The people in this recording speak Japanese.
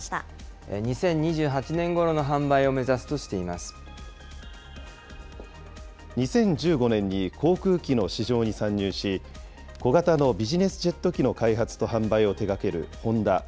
２０２８年ごろの販売を目指２０１５年に航空機の市場に参入し、小型のビジネスジェット機の開発と販売を手がけるホンダ。